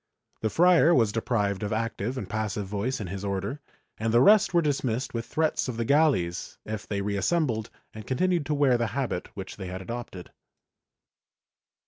The friar was deprived of active and passive voice in his Order and the rest were dismissed with threats of the galleys if they reassembled and continued to wear the habit which they had adopted.